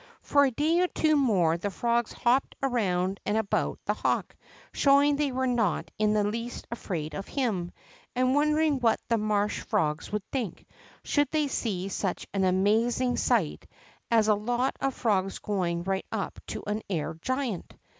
For a day or two more the frogs hopped around and about the haAvk, shoAAung they Avere not in the least afraid of him, and Avondering Avhat the marsh frogs AATould think, should they see such an amaz ing sight as a lot of frogs going right up to an air giant.